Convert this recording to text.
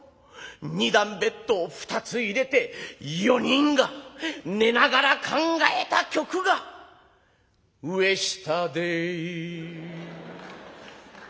２段ベッドを２つ入れて４人が寝ながら考えた曲が『上下でい』」。